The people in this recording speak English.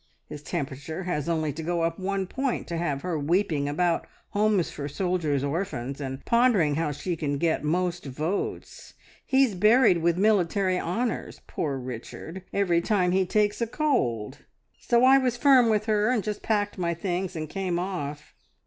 His temperature has only to go up one point, to have her weeping about Homes for Soldiers' Orphans, and pondering how she can get most votes. He's buried with military honours, poor Richard, every time he takes a cold. So I was firm with her, and just packed my things and came off.